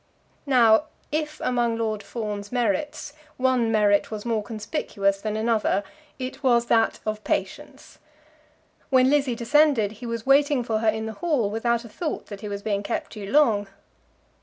Now, if among Lord Fawn's merits one merit was more conspicuous than another, it was that of patience. When Lizzie descended he was waiting for her in the hall without a thought that he was being kept too long.